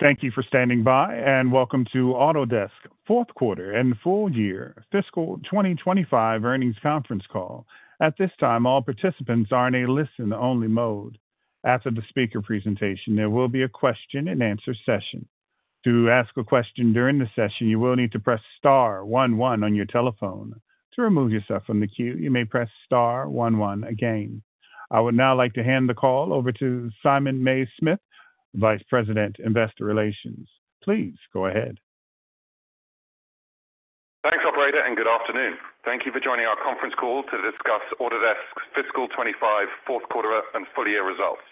Thank you for standing by, and welcome to Autodesk Fourth Quarter and Full Year 2025 Earnings Conference Call. At this time, all participants are in a listen-only mode. After the speaker presentation, there will be a question-and-answer session. To ask a question during the session, you will need to press star one one on your telephone. To remove yourself from the queue, you may press star one one again. I would now like to hand the call over to Simon Mays-Smith, Vice President, Investor Relations. Please go ahead. Thanks, Operator, and good afternoon. Thank you for joining our conference call to discuss Autodesk's Fiscal 2025 Fourth Quarter and Full Year results.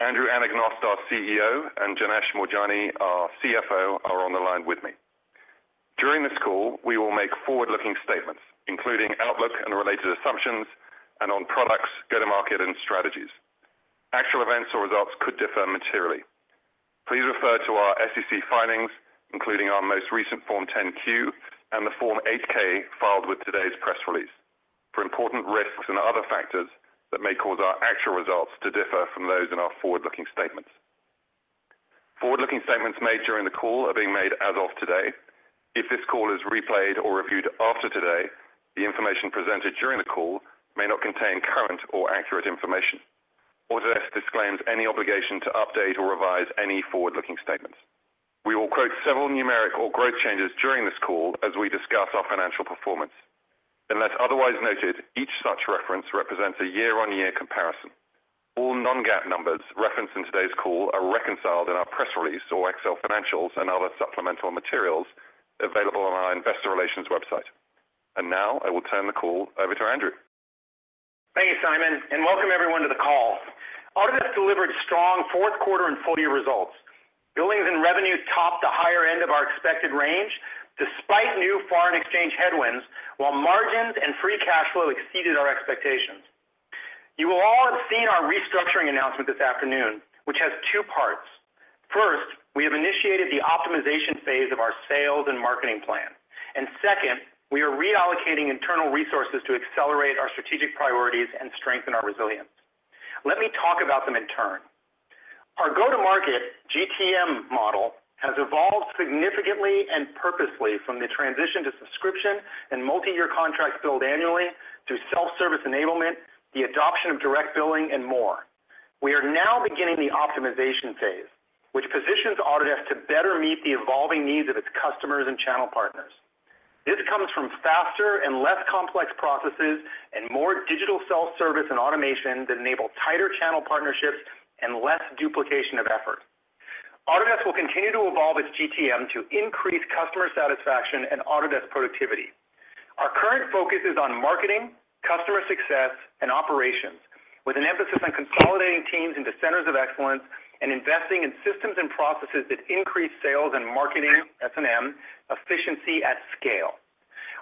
Andrew Anagnost, our CEO, and Janesh Moorjani, our CFO, are on the line with me. During this call, we will make forward-looking statements, including outlook and related assumptions, and on products, go-to-market, and strategies. Actual events or results could differ materially. Please refer to our SEC filings, including our most recent Form 10-Q and the Form 8-K filed with today's press release, for important risks and other factors that may cause our actual results to differ from those in our forward-looking statements. Forward-looking statements made during the call are being made as of today. If this call is replayed or reviewed after today, the information presented during the call may not contain current or accurate information. Autodesk disclaims any obligation to update or revise any forward-looking statements. We will quote several numeric or growth changes during this call as we discuss our financial performance. Unless otherwise noted, each such reference represents a year-on-year comparison. All non-GAAP numbers referenced in today's call are reconciled in our press release or Excel financials and other supplemental materials available on our Investor Relations website. And now, I will turn the call over to Andrew. Thank you, Simon, and welcome everyone to the call. Autodesk delivered strong fourth quarter and full year results. Billings and revenue topped the higher end of our expected range, despite new foreign exchange headwinds, while margins and free cash flow exceeded our expectations. You will all have seen our restructuring announcement this afternoon, which has two parts. First, we have initiated the optimization phase of our sales and marketing plan. And second, we are reallocating internal resources to accelerate our strategic priorities and strengthen our resilience. Let me talk about them in turn. Our go-to-market GTM model has evolved significantly and purposely from the transition to subscription and multi-year contracts billed annually through self-service enablement, the adoption of direct billing, and more. We are now beginning the optimization phase, which positions Autodesk to better meet the evolving needs of its customers and channel partners. This comes from faster and less complex processes and more digital self-service and automation that enable tighter channel partnerships and less duplication of effort. Autodesk will continue to evolve its GTM to increase customer satisfaction and Autodesk productivity. Our current focus is on marketing, customer success, and operations, with an emphasis on consolidating teams into centers of excellence and investing in systems and processes that increase sales and marketing S&M efficiency at scale.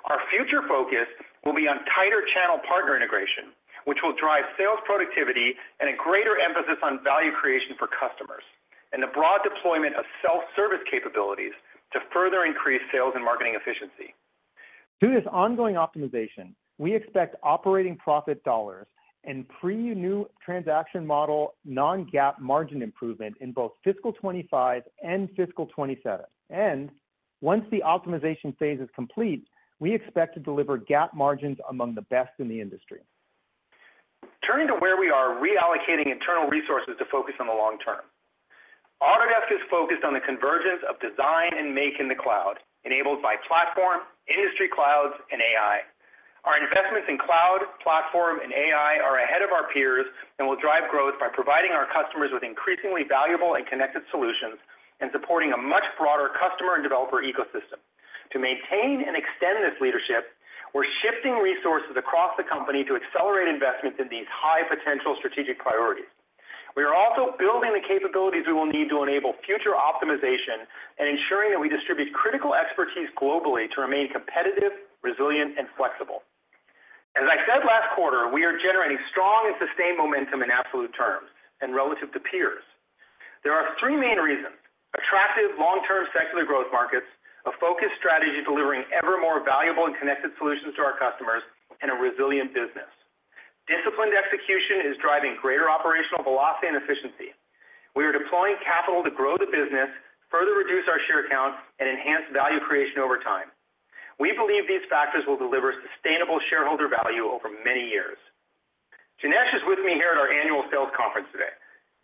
Our future focus will be on tighter channel partner integration, which will drive sales productivity and a greater emphasis on value creation for customers and the broad deployment of self-service capabilities to further increase sales and marketing efficiency. Through this ongoing optimization, we expect operating profit dollars and pre-new transaction model non-GAAP margin improvement in both fiscal 2025 and fiscal 2027, and once the optimization phase is complete, we expect to deliver GAAP margins among the best in the industry. Turning to where we are reallocating internal resources to focus on the long term, Autodesk is focused on the convergence of Design and Make in the cloud, enabled by platform, industry clouds, and AI. Our investments in cloud, platform, and AI are ahead of our peers and will drive growth by providing our customers with increasingly valuable and connected solutions and supporting a much broader customer and developer ecosystem. To maintain and extend this leadership, we're shifting resources across the company to accelerate investments in these high-potential strategic priorities. We are also building the capabilities we will need to enable future optimization and ensuring that we distribute critical expertise globally to remain competitive, resilient, and flexible. As I said last quarter, we are generating strong and sustained momentum in absolute terms and relative to peers. There are three main reasons: attractive long-term secular growth markets, a focused strategy delivering ever more valuable and connected solutions to our customers, and a resilient business. Disciplined execution is driving greater operational velocity and efficiency. We are deploying capital to grow the business, further reduce our share count, and enhance value creation over time. We believe these factors will deliver sustainable shareholder value over many years. Janesh is with me here at our annual sales conference today.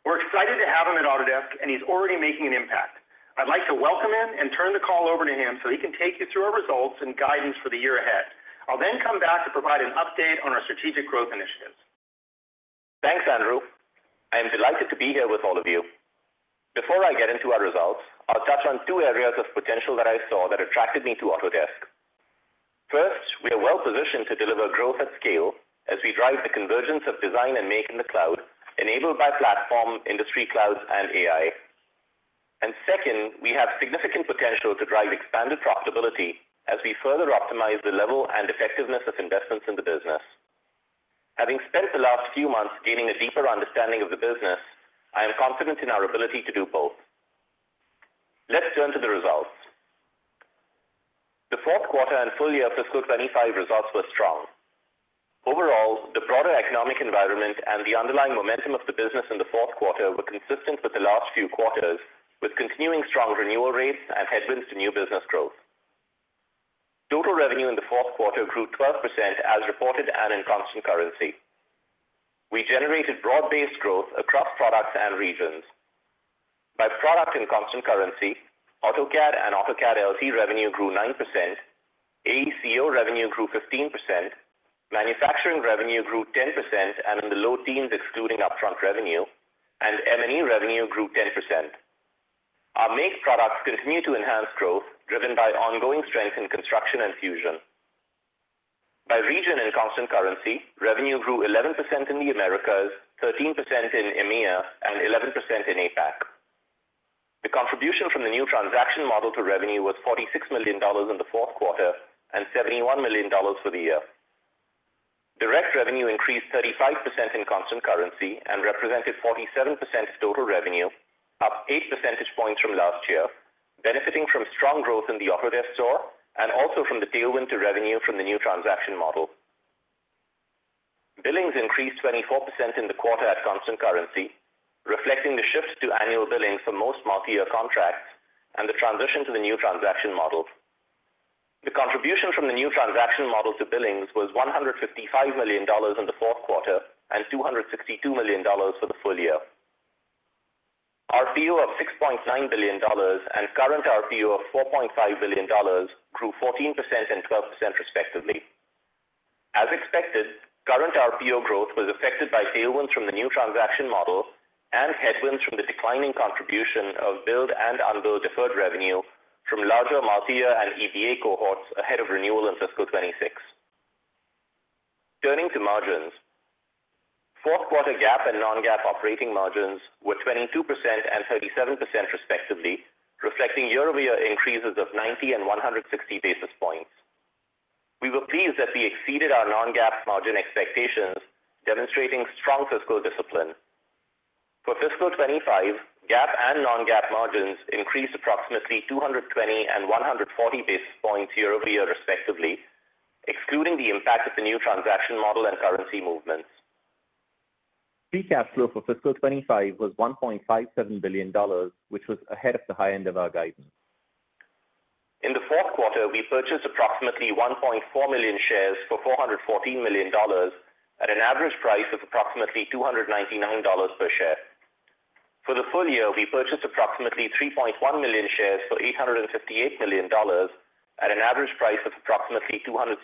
We're excited to have him at Autodesk, and he's already making an impact. I'd like to welcome him and turn the call over to him so he can take you through our results and guidance for the year ahead. I'll then come back to provide an update on our strategic growth initiatives. Thanks, Andrew. I am delighted to be here with all of you. Before I get into our results, I'll touch on two areas of potential that I saw that attracted me to Autodesk. First, we are well positioned to deliver growth at scale as we drive the convergence of Design and Make in the cloud, enabled by platform, industry clouds, and AI. And second, we have significant potential to drive expanded profitability as we further optimize the level and effectiveness of investments in the business. Having spent the last few months gaining a deeper understanding of the business, I am confident in our ability to do both. Let's turn to the results. The fourth quarter and full year fiscal 2025 results were strong. Overall, the broader economic environment and the underlying momentum of the business in the fourth quarter were consistent with the last few quarters, with continuing strong renewal rates and headwinds to new business growth. Total revenue in the fourth quarter grew 12% as reported and in constant currency. We generated broad-based growth across products and regions. By product and constant currency, AutoCAD and AutoCAD LT revenue grew 9%, AECO revenue grew 15%, manufacturing revenue grew 10%, and in the low teens excluding upfront revenue, and M&E revenue grew 10%. Our AEC products continue to enhance growth, driven by ongoing strength in construction and Fusion. By region and constant currency, revenue grew 11% in the Americas, 13% in EMEA, and 11% in APAC. The contribution from the new transaction model to revenue was $46 million in the fourth quarter and $71 million for the year. Direct revenue increased 35% in constant currency and represented 47% of total revenue, up 8 percentage points from last year, benefiting from strong growth in the Autodesk Store and also from the tailwind to revenue from the new transaction model. Billings increased 24% in the quarter at constant currency, reflecting the shift to annual billing for most multi-year contracts and the transition to the new transaction model. The contribution from the new transaction model to billings was $155 million in the fourth quarter and $262 million for the full year. RPO of $6.9 billion and current RPO of $4.5 billion grew 14% and 12% respectively. As expected, current RPO growth was affected by tailwinds from the new transaction model and headwinds from the declining contribution of billed and unbilled deferred revenue from larger multi-year and EBA cohorts ahead of renewal in fiscal 2026. Turning to margins, fourth quarter GAAP and non-GAAP operating margins were 22% and 37% respectively, reflecting year-over-year increases of 90 and 160 basis points. We were pleased that we exceeded our non-GAAP margin expectations, demonstrating strong fiscal discipline. For fiscal 2025, GAAP and non-GAAP margins increased approximately 220 and 140 basis points year-over-year respectively, excluding the impact of the new transaction model and currency movements, free cash flow for fiscal 2025 was $1.57 billion, which was ahead of the high end of our guidance. In the fourth quarter, we purchased approximately 1.4 million shares for $414 million at an average price of approximately $299 per share. For the Full Year, we purchased approximately 3.1 million shares for $858 million at an average price of approximately $279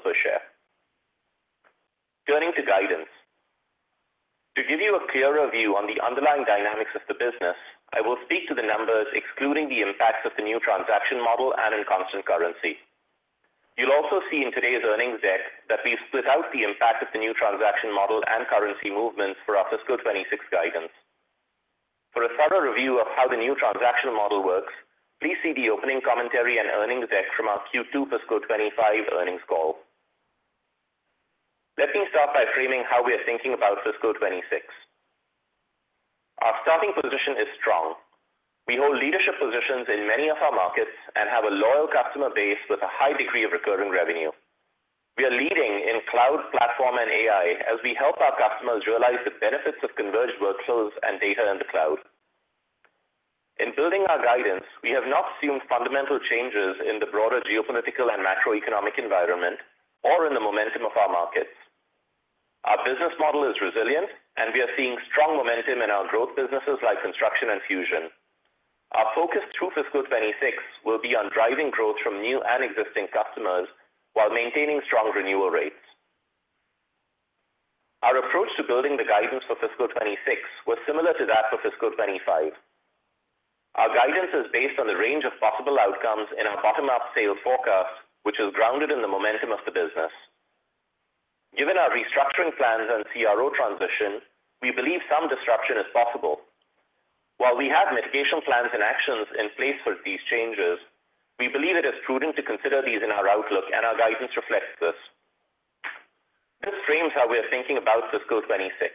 per share. Turning to guidance, to give you a clearer view on the underlying dynamics of the business, I will speak to the numbers excluding the impacts of the new transaction model and in constant currency. You'll also see in today's earnings deck that we split out the impact of the new transaction model and currency movements for our fiscal 2026 guidance. For a thorough review of how the new transaction model works, please see the opening commentary and earnings deck from our Q2 fiscal 2025 earnings call. Let me start by framing how we are thinking about fiscal 2026. Our starting position is strong. We hold leadership positions in many of our markets and have a loyal customer base with a high degree of recurring revenue. We are leading in cloud, platform, and AI as we help our customers realize the benefits of converged workflows and data in the cloud. In building our guidance, we have not assumed fundamental changes in the broader geopolitical and macroeconomic environment or in the momentum of our markets. Our business model is resilient, and we are seeing strong momentum in our growth businesses like construction and Fusion. Our focus through fiscal 2026 will be on driving growth from new and existing customers while maintaining strong renewal rates. Our approach to building the guidance for fiscal 2026 was similar to that for fiscal 2025. Our guidance is based on the range of possible outcomes in our bottom-up sales forecast, which is grounded in the momentum of the business. Given our restructuring plans and CRO transition, we believe some disruption is possible. While we have mitigation plans and actions in place for these changes, we believe it is prudent to consider these in our outlook, and our guidance reflects this. This frames how we are thinking about fiscal 2026.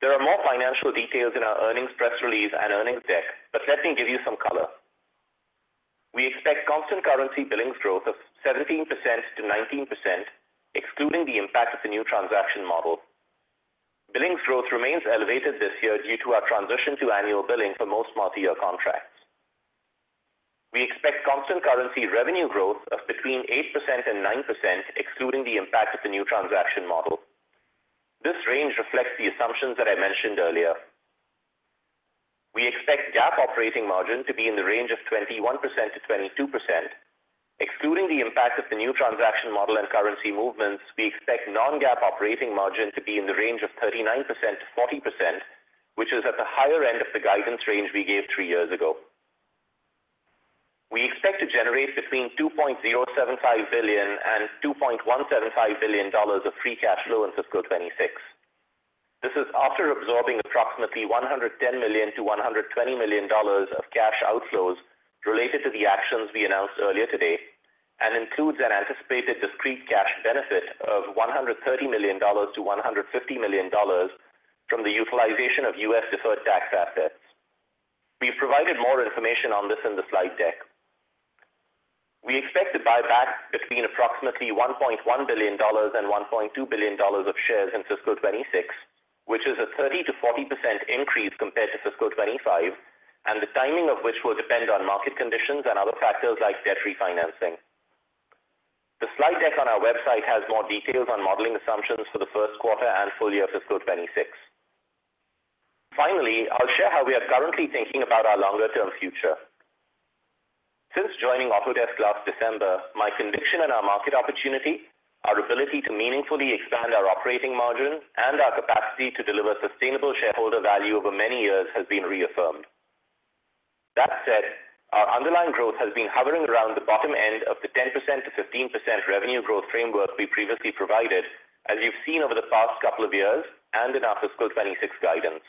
There are more financial details in our earnings press release and earnings deck, but let me give you some color. We expect constant currency billings growth of 17%-19%, excluding the impact of the new transaction model. Billings growth remains elevated this year due to our transition to annual billing for most multi-year contracts. We expect constant currency revenue growth of between 8% and 9%, excluding the impact of the new transaction model. This range reflects the assumptions that I mentioned earlier. We expect GAAP operating margin to be in the range of 21%-22%. Excluding the impact of the new transaction model and currency movements, we expect non-GAAP operating margin to be in the range of 39%-40%, which is at the higher end of the guidance range we gave three years ago. We expect to generate between $2.075-$2.175 billion of free cash flow in fiscal 2026. This is after absorbing approximately $110-$120 million of cash outflows related to the actions we announced earlier today and includes an anticipated discrete cash benefit of $130-$150 million from the utilization of U.S. deferred tax assets. We've provided more information on this in the slide deck. We expect to buy back between approximately $1.1 billion and $1.2 billion of shares in fiscal 2026, which is a 30%-40% increase compared to fiscal 2025, and the timing of which will depend on market conditions and other factors like debt refinancing. The slide deck on our website has more details on modeling assumptions for the first quarter and full year fiscal 2026. Finally, I'll share how we are currently thinking about our longer-term future. Since joining Autodesk last December, my conviction in our market opportunity, our ability to meaningfully expand our operating margin, and our capacity to deliver sustainable shareholder value over many years has been reaffirmed. That said, our underlying growth has been hovering around the bottom end of the 10%-15% revenue growth framework we previously provided, as you've seen over the past couple of years and in our fiscal 2026 guidance.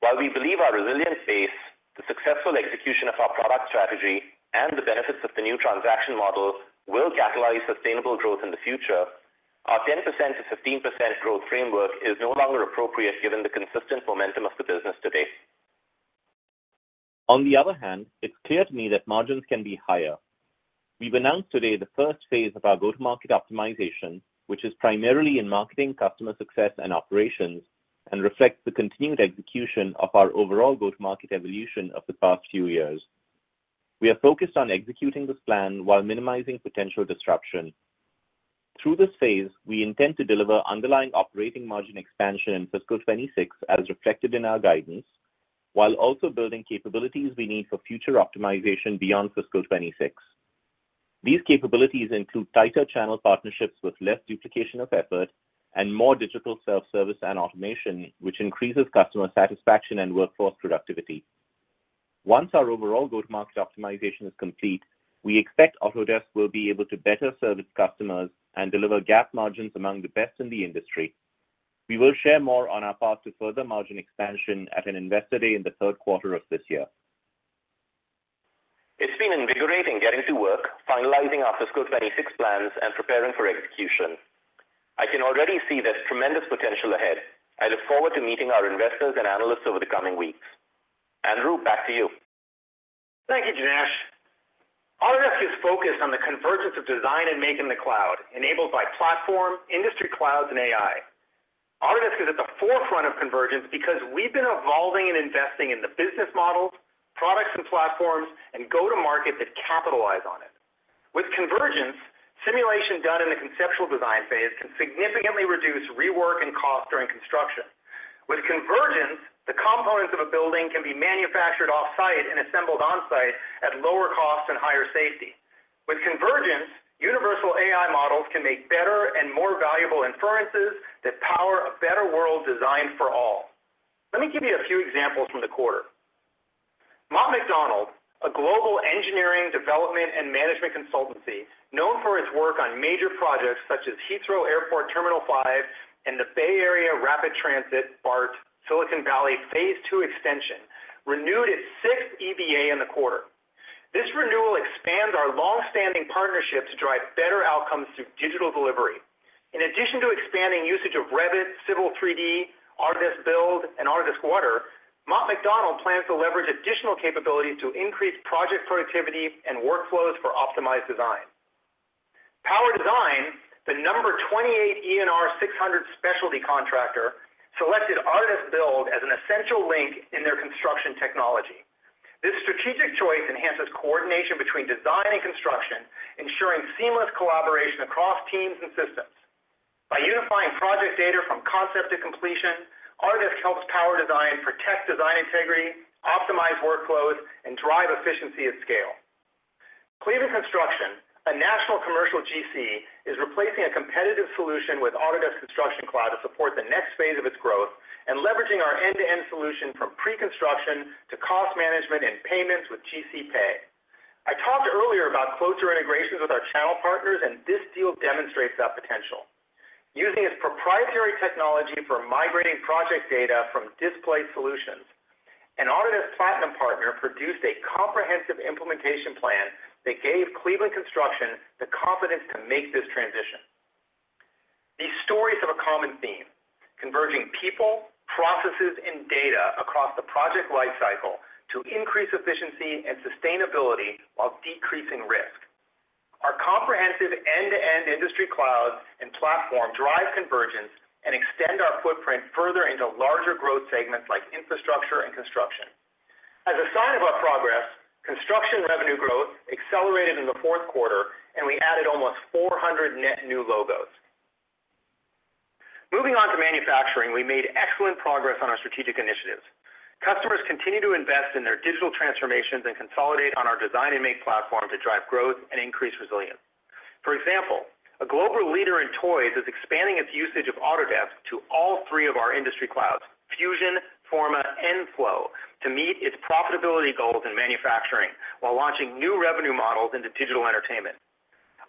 While we believe our resilient base, the successful execution of our product strategy, and the benefits of the new transaction model will catalyze sustainable growth in the future, our 10%-15% growth framework is no longer appropriate given the consistent momentum of the business today. On the other hand, it's clear to me that margins can be higher. We've announced today the first phase of our go-to-market optimization, which is primarily in marketing, customer success, and operations, and reflects the continued execution of our overall go-to-market evolution of the past few years. We are focused on executing this plan while minimizing potential disruption. Through this phase, we intend to deliver underlying operating margin expansion in fiscal 2026 as reflected in our guidance, while also building capabilities we need for future optimization beyond fiscal 2026. These capabilities include tighter channel partnerships with less duplication of effort and more digital self-service and automation, which increases customer satisfaction and workforce productivity. Once our overall go-to-market optimization is complete, we expect Autodesk will be able to better service customers and deliver GAAP margins among the best in the industry. We will share more on our path to further margin expansion at an investor day in the third quarter of this year. It's been invigorating getting to work, finalizing our fiscal 2026 plans, and preparing for execution. I can already see there's tremendous potential ahead. I look forward to meeting our investors and analysts over the coming weeks. Andrew, back to you. Thank you, Janesh. Autodesk is focused on the convergence of Design and Make in the cloud, enabled by platform, industry clouds, and AI. Autodesk is at the forefront of convergence because we've been evolving and investing in the business models, products, and platforms and go-to-market that capitalize on it. With convergence, simulation done in the conceptual design phase can significantly reduce rework and cost during construction. With convergence, the components of a building can be manufactured off-site and assembled on-site at lower cost and higher safety. With convergence, universal AI models can make better and more valuable inferences that power a better world designed for all. Let me give you a few examples from the quarter. Mott MacDonald, a global engineering, development, and management consultancy known for its work on major projects such as Heathrow Airport Terminal 5 and the Bay Area Rapid Transit BART Silicon Valley Phase 2 extension, renewed its sixth EBA in the quarter. This renewal expands our long-standing partnership to drive better outcomes through digital delivery. In addition to expanding usage of Revit, Civil 3D, Autodesk Build, and Autodesk Water, Mott MacDonald plans to leverage additional capabilities to increase project productivity and workflows for optimized design. Power Design, the number 28 ENR 600 specialty contractor, selected Autodesk Build as an essential link in their construction technology. This strategic choice enhances coordination between design and construction, ensuring seamless collaboration across teams and systems. By unifying project data from concept to completion, Autodesk helps Power Design protect design integrity, optimize workflows, and drive efficiency at scale. Cleveland Construction, a national commercial GC, is replacing a competitive solution with Autodesk Construction Cloud to support the next phase of its growth, and leveraging our end-to-end solution from pre-construction to cost management and payments with GCPay. I talked earlier about closer integrations with our channel partners, and this deal demonstrates that potential. Using its proprietary technology for migrating project data from disparate solutions, an Autodesk Platinum partner produced a comprehensive implementation plan that gave Cleveland Construction the confidence to make this transition. These stories have a common theme: converging people, processes, and data across the project lifecycle to increase efficiency and sustainability while decreasing risk. Our comprehensive end-to-end industry clouds and platform drive convergence and extend our footprint further into larger growth segments like infrastructure and construction. As a sign of our progress, construction revenue growth accelerated in the fourth quarter, and we added almost 400 net new logos. Moving on to manufacturing, we made excellent progress on our strategic initiatives. Customers continue to invest in their digital transformations and consolidate on our Design and Make platform to drive growth and increase resilience. For example, a global leader in toys is expanding its usage of Autodesk to all three of our industry clouds: Fusion, Forma, and Flow to meet its profitability goals in manufacturing while launching new revenue models into digital entertainment.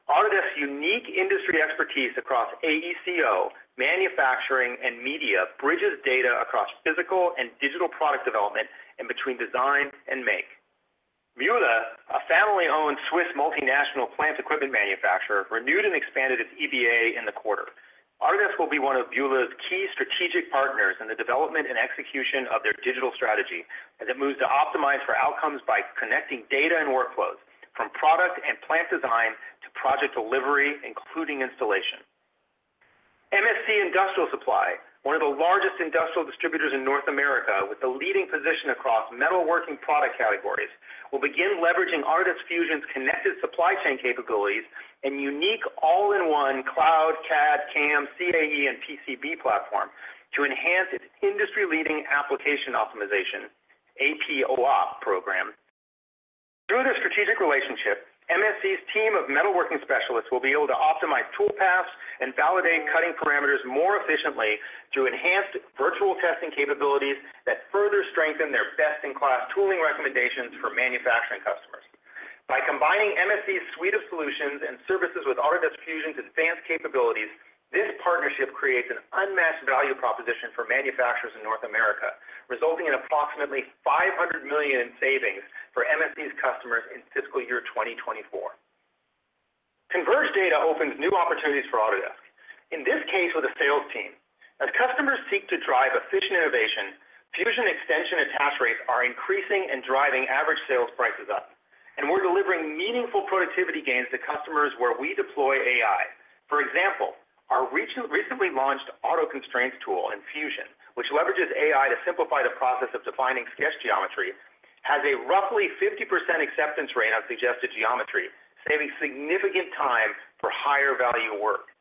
Autodesk's unique industry expertise across AECO, manufacturing, and media bridges data across physical and digital product development and between Design and Make. Müller, a family-owned Swiss multinational plant equipment manufacturer, renewed and expanded its EBA in the quarter. Autodesk will be one of Müller's key strategic partners in the development and execution of their digital strategy as it moves to optimize for outcomes by connecting data and workflows from product and plant design to project delivery, including installation. MSC Industrial Supply, one of the largest industrial distributors in North America with a leading position across metalworking product categories, will begin leveraging Autodesk Fusion's connected supply chain capabilities and unique all-in-one cloud, CAD, CAM, CAE, and PCB platform to enhance its industry-leading application optimization AP OOP program. Through their strategic relationship, MSC's team of metalworking specialists will be able to optimize toolpaths and validate cutting parameters more efficiently through enhanced virtual testing capabilities that further strengthen their best-in-class tooling recommendations for manufacturing customers. By combining MSC's suite of solutions and services with Autodesk Fusion's advanced capabilities, this partnership creates an unmatched value proposition for manufacturers in North America, resulting in approximately $500 million in savings for MSC's customers in fiscal year 2024. Converged data opens new opportunities for Autodesk, in this case with a sales team. As customers seek to drive efficient innovation, Fusion extension attach rates are increasing and driving average sales prices up, and we're delivering meaningful productivity gains to customers where we deploy AI. For example, our recently launched AutoConstrain tool in Fusion, which leverages AI to simplify the process of defining sketch geometry, has a roughly 50% acceptance rate on suggested geometry, saving significant time for higher value work.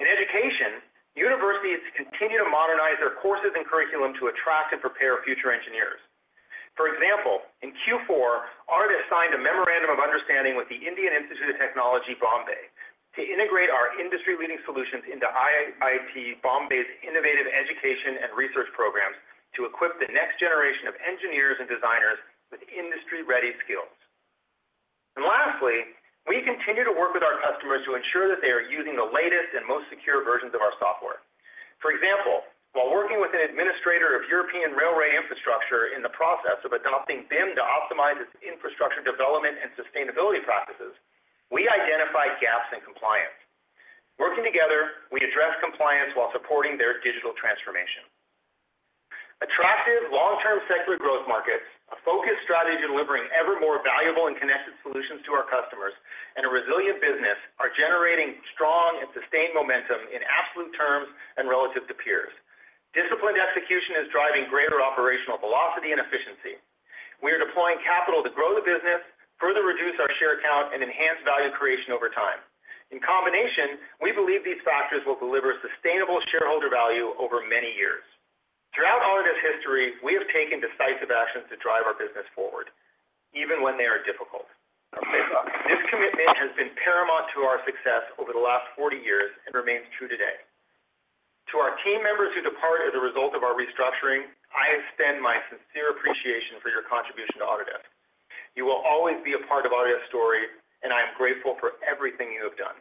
In education, universities continue to modernize their courses and curriculum to attract and prepare future engineers. For example, in Q4, Autodesk has signed a memorandum of understanding with the Indian Institute of Technology, Bombay, to integrate our industry-leading solutions into IIT Bombay's innovative education and research programs to equip the next generation of engineers and designers with industry-ready skills, and lastly, we continue to work with our customers to ensure that they are using the latest and most secure versions of our software. For example, while working with an administrator of European railway infrastructure in the process of adopting BIM to optimize its infrastructure development and sustainability practices, we identify gaps in compliance. Working together, we address compliance while supporting their digital transformation. Attractive long-term sector growth markets, a focused strategy delivering ever more valuable and connected solutions to our customers, and a resilient business are generating strong and sustained momentum in absolute terms and relative to peers. Disciplined execution is driving greater operational velocity and efficiency. We are deploying capital to grow the business, further reduce our share count, and enhance value creation over time. In combination, we believe these factors will deliver sustainable shareholder value over many years. Throughout Autodesk's history, we have taken decisive actions to drive our business forward, even when they are difficult. This commitment has been paramount to our success over the last 40 years and remains true today. To our team members who depart as a result of our restructuring, I extend my sincere appreciation for your contribution to Autodesk. You will always be a part of Autodesk's story, and I am grateful for everything you have done.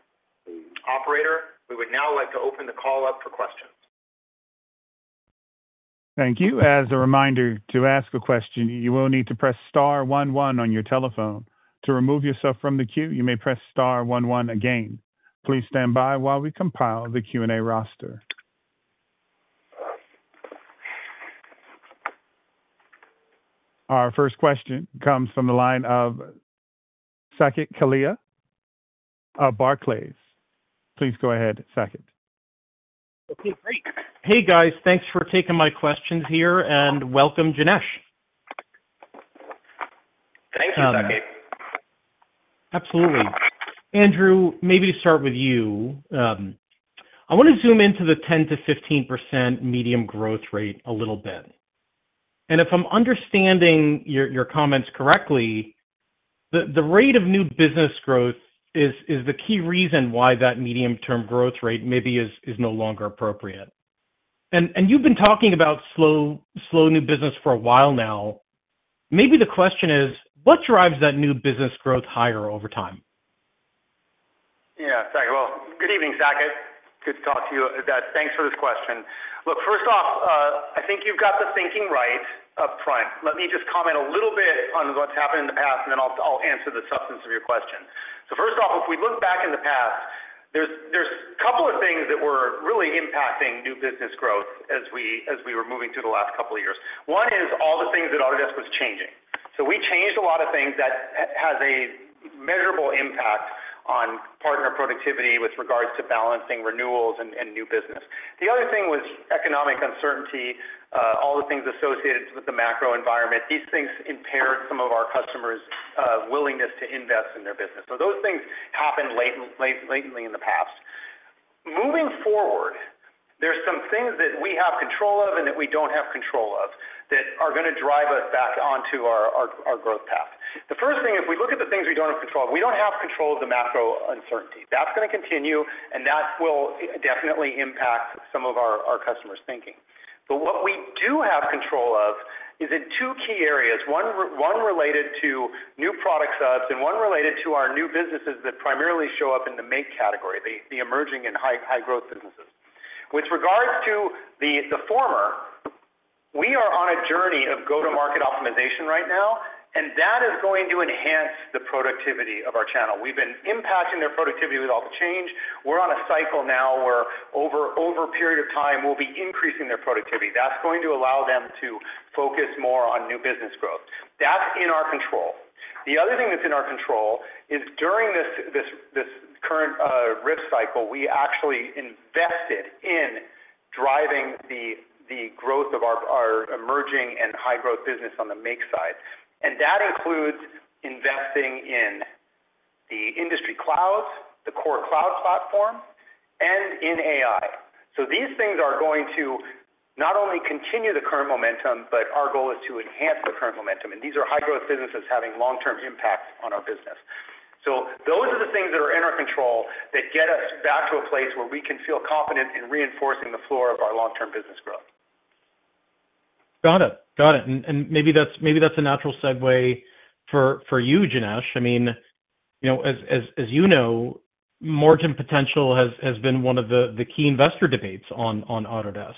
Operator, we would now like to open the call up for questions. Thank you. As a reminder, to ask a question, you will need to press star one one on your telephone. To remove yourself from the queue, you may press star one one again. Please stand by while we compile the Q&A roster. Our first question comes from the line of Saket Kalia of Barclays. Please go ahead, Saket. Okay, great. Hey, guys. Thanks for taking my questions here, and welcome, Janesh. Thank you, Saket. Absolutely. Andrew, maybe to start with you, I want to zoom into the 10%-15% medium growth rate a little bit. And if I'm understanding your comments correctly, the rate of new business growth is the key reason why that medium-term growth rate maybe is no longer appropriate. And you've been talking about slow new business for a while now. Maybe the question is, what drives that new business growth higher over time? Yeah, Saket. Well, good evening, Saket. Good to talk to you. Thanks for this question. Look, first off, I think you've got the thinking right up front. Let me just comment a little bit on what's happened in the past, and then I'll answer the substance of your question. So first off, if we look back in the past, there's a couple of things that were really impacting new business growth as we were moving through the last couple of years. One is all the things that Autodesk was changing. So we changed a lot of things that have a measurable impact on partner productivity with regards to balancing renewals and new business. The other thing was economic uncertainty, all the things associated with the macro environment. These things impaired some of our customers' willingness to invest in their business. So those things happened lately in the past. Moving forward, there are some things that we have control of and that we don't have control of that are going to drive us back onto our growth path. The first thing, if we look at the things we don't have control of, we don't have control of the macro uncertainty. That's going to continue, and that will definitely impact some of our customers' thinking. But what we do have control of is in two key areas, one related to new product subs and one related to our new businesses that primarily show up in the Make category, the emerging and high-growth businesses. With regards to the former, we are on a journey of go-to-market optimization right now, and that is going to enhance the productivity of our channel. We've been impacting their productivity with all the change. We're on a cycle now where over a period of time, we'll be increasing their productivity. That's going to allow them to focus more on new business growth. That's in our control. The other thing that's in our control is during this current subscription cycle, we actually invested in driving the growth of our emerging and high-growth business on the Make side, and that includes investing in the industry clouds, the core cloud platform, and in AI, so these things are going to not only continue the current momentum, but our goal is to enhance the current momentum, and these are high-growth businesses having long-term impacts on our business, so those are the things that are in our control that get us back to a place where we can feel confident in reinforcing the floor of our long-term business growth. Got it. Got it. And maybe that's a natural segue for you, Janesh. I mean, as you know, margin potential has been one of the key investor debates on Autodesk.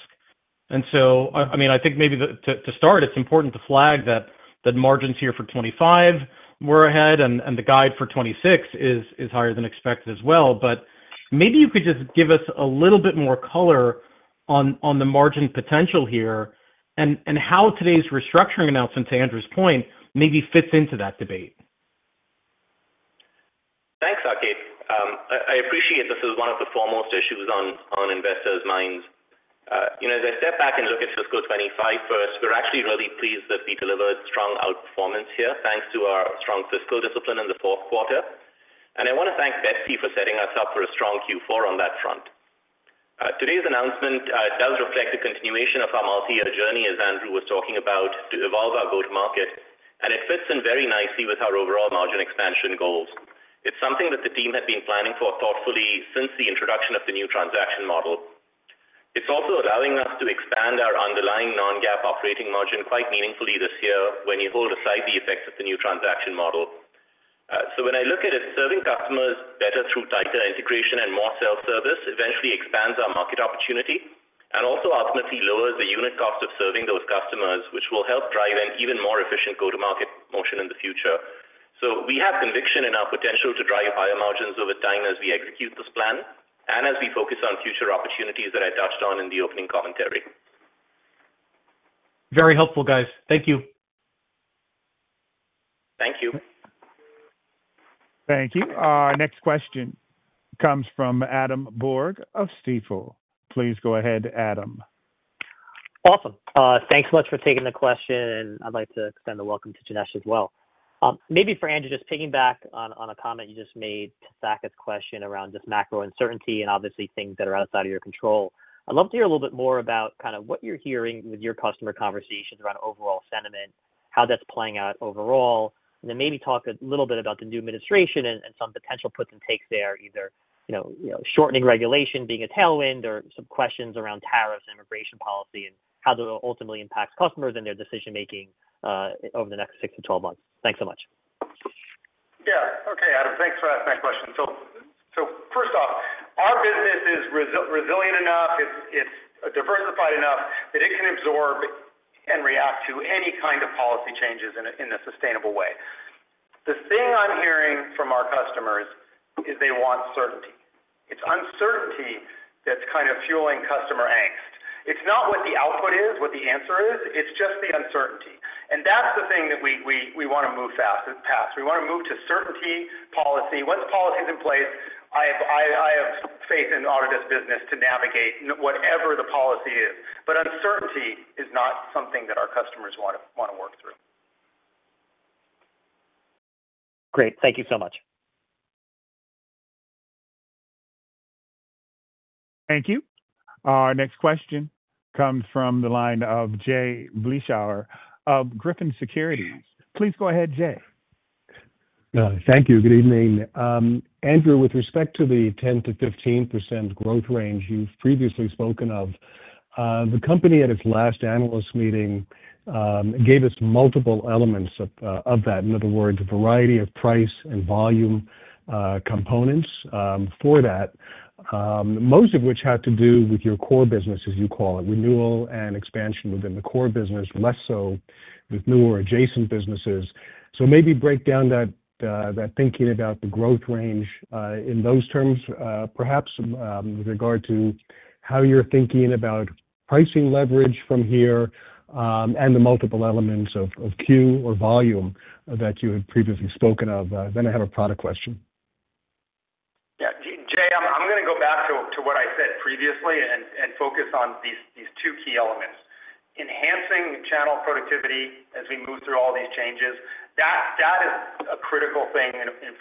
And so, I mean, I think maybe to start, it's important to flag that margins here for 2025 were ahead, and the guide for 2026 is higher than expected as well. But maybe you could just give us a little bit more color on the margin potential here and how today's restructuring announcement, to Andrew's point, maybe fits into that debate. Thanks, Saket. I appreciate this is one of the foremost issues on investors' minds. As I step back and look at fiscal 2025 first, we're actually really pleased that we delivered strong outperformance here, thanks to our strong fiscal discipline in the fourth quarter. And I want to thank Betsy for setting us up for a strong Q4 on that front. Today's announcement does reflect a continuation of our multi-year journey, as Andrew was talking about, to evolve our go-to-market, and it fits in very nicely with our overall margin expansion goals. It's something that the team had been planning for thoughtfully since the introduction of the new transaction model. It's also allowing us to expand our underlying non-GAAP operating margin quite meaningfully this year when you hold aside the effects of the new transaction model. So when I look at it, serving customers better through tighter integration and more self-service eventually expands our market opportunity and also ultimately lowers the unit cost of serving those customers, which will help drive an even more efficient go-to-market motion in the future. So we have conviction in our potential to drive higher margins over time as we execute this plan and as we focus on future opportunities that I touched on in the opening commentary. Very helpful, guys. Thank you. Thank you. Thank you. Our next question comes from Adam Borg of Stifel. Please go ahead, Adam. Awesome. Thanks so much for taking the question, and I'd like to extend a welcome to Janesh as well. Maybe for Andrew, just piggyback on a comment you just made to Saket's question around just macro uncertainty and obviously things that are outside of your control. I'd love to hear a little bit more about kind of what you're hearing with your customer conversations around overall sentiment, how that's playing out overall, and then maybe talk a little bit about the new administration and some potential puts and takes there, either shortening regulation being a tailwind or some questions around tariffs and immigration policy and how it ultimately impacts customers and their decision-making over the next 6-12 months. Thanks so much. Yeah. Okay, Adam. Thanks for asking that question. So first off, our business is resilient enough. It's diversified enough that it can absorb and react to any kind of policy changes in a sustainable way. The thing I'm hearing from our customers is they want certainty. It's uncertainty that's kind of fueling customer angst. It's not what the output is, what the answer is. It's just the uncertainty. And that's the thing that we want to move fast past. We want to move to certainty policy. Once policy is in place, I have faith in Autodesk's business to navigate whatever the policy is. But uncertainty is not something that our customers want to work through. Great. Thank you so much. Thank you. Our next question comes from the line of Jay Vleeschhouwer of Griffin Securities. Please go ahead, Jay. Thank you. Good evening. Andrew, with respect to the 10%-15% growth range you've previously spoken of, the company at its last analyst meeting gave us multiple elements of that. In other words, a variety of price and volume components for that, most of which had to do with your core business, as you call it, renewal and expansion within the core business, less so with new or adjacent businesses. So maybe break down that thinking about the growth range in those terms, perhaps with regard to how you're thinking about pricing leverage from here and the multiple elements of queue or volume that you had previously spoken of. Then I have a product question. Yeah. Jay, I'm going to go back to what I said previously and focus on these two key elements. Enhancing channel productivity as we move through all these changes, that is a critical thing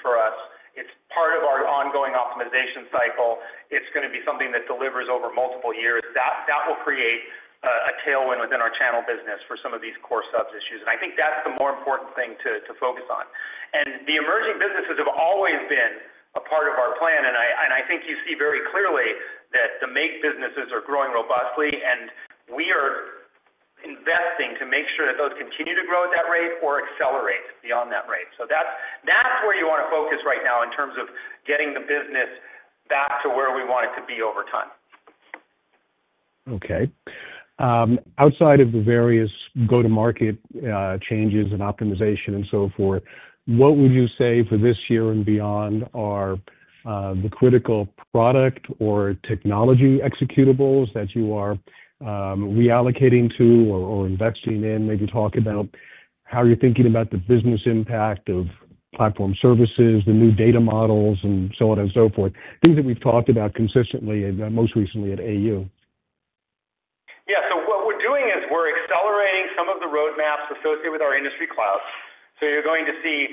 for us. It's part of our ongoing optimization cycle. It's going to be something that delivers over multiple years. That will create a tailwind within our channel business for some of these core subs issues. And I think that's the more important thing to focus on. And the emerging businesses have always been a part of our plan. And I think you see very clearly that the Make businesses are growing robustly, and we are investing to make sure that those continue to grow at that rate or accelerate beyond that rate. So that's where you want to focus right now in terms of getting the business back to where we want it to be over time. Okay. Outside of the various go-to-market changes and optimization and so forth, what would you say for this year and beyond are the critical product or technology executables that you are reallocating to or investing in? Maybe talk about how you're thinking about the business impact of platform services, the new data models, and so on and so forth, things that we've talked about consistently, most recently at AU. Yeah. So what we're doing is we're accelerating some of the roadmaps associated with our industry clouds. So you're going to see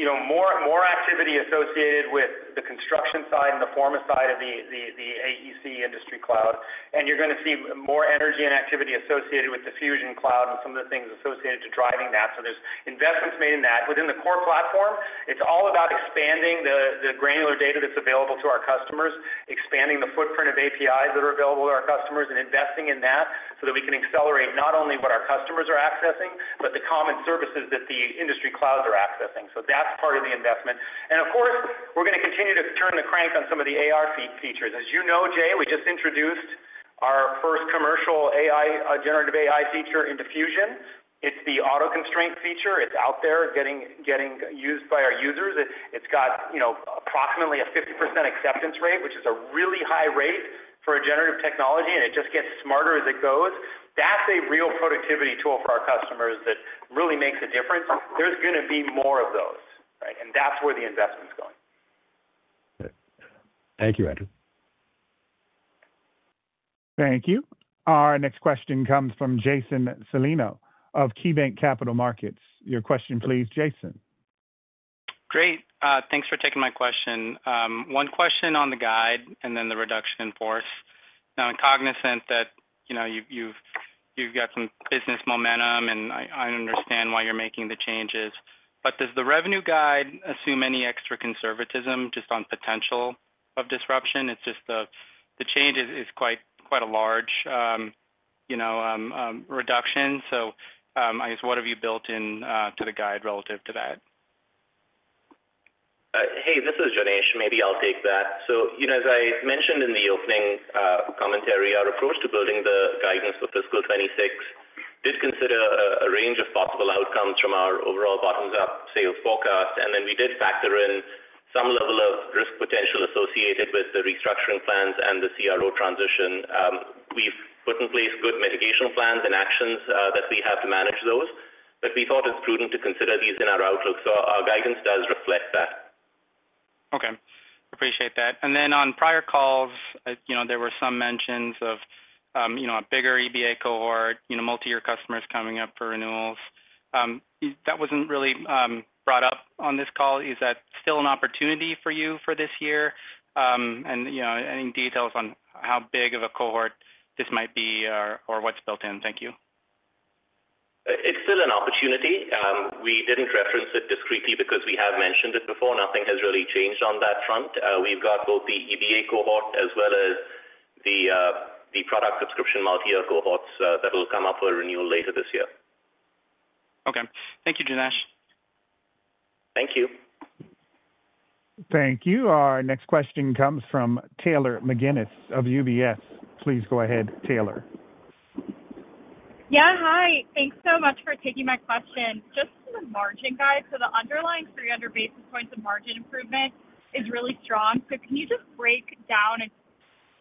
more activity associated with the construction side and the Forma side of the AEC industry cloud. And you're going to see more energy and activity associated with the Fusion cloud and some of the things associated to driving that. So there's investments made in that. Within the core platform, it's all about expanding the granular data that's available to our customers, expanding the footprint of APIs that are available to our customers, and investing in that so that we can accelerate not only what our customers are accessing, but the common services that the industry clouds are accessing. So that's part of the investment. And of course, we're going to continue to turn the crank on some of the AR features. As you know, Jay, we just introduced our first commercial generative AI feature into Fusion. It's the auto constraint feature. It's out there getting used by our users. It's got approximately 50% acceptance rate, which is a really high rate for a generative technology, and it just gets smarter as it goes. That's a real productivity tool for our customers that really makes a difference. There's going to be more of those, right? And that's where the investment's going. Thank you, Andrew. Thank you. Our next question comes from Jason Celino of KeyBanc Capital Markets. Your question, please, Jason. Great. Thanks for taking my question. One question on the guide and then the reduction in force. Now, I'm cognizant that you've got some business momentum, and I understand why you're making the changes. But does the revenue guide assume any extra conservatism just on potential of disruption? It's just the change is quite a large reduction. So I guess, what have you built into the guide relative to that? Hey, this is Janesh. Maybe I'll take that, so as I mentioned in the opening commentary, our approach to building the guidance for fiscal 2026 did consider a range of possible outcomes from our overall bottoms-up sales forecast, and then we did factor in some level of risk potential associated with the restructuring plans and the CRO transition. We've put in place good mitigation plans and actions that we have to manage those, but we thought it's prudent to consider these in our outlook, so our guidance does reflect that. Okay. Appreciate that. And then on prior calls, there were some mentions of a bigger EBA cohort, multi-year customers coming up for renewals. That wasn't really brought up on this call. Is that still an opportunity for you for this year? And any details on how big of a cohort this might be or what's built in? Thank you. It's still an opportunity. We didn't reference it discreetly because we have mentioned it before. Nothing has really changed on that front. We've got both the EBA cohort as well as the product subscription multi-year cohorts that will come up for renewal later this year. Okay. Thank you, Janesh. Thank you. Thank you. Our next question comes from Taylor McGinnis of UBS. Please go ahead, Taylor. Yeah. Hi. Thanks so much for taking my question. Just from the margin guide, so the underlying 300 basis points of margin improvement is really strong. So can you just break down and